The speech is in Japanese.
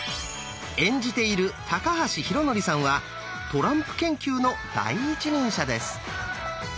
演じている高橋浩徳さんはトランプ研究の第一人者です。